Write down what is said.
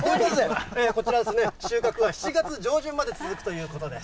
こちらですね、収穫は７月上旬まで続くということです。